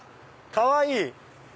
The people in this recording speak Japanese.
かわいい！